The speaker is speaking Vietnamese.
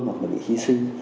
hoặc là bị hy sinh